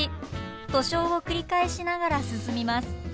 渡渉を繰り返しながら進みます。